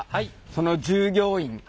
その従業員！